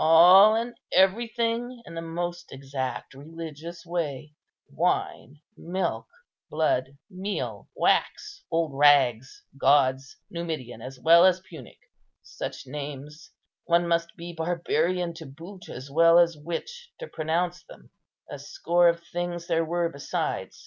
All and everything in the most exact religious way: wine, milk, blood, meal, wax, old rags, gods, Numidian as well as Punic; such names; one must be barbarian to boot, as well as witch, to pronounce them: a score of things there were besides.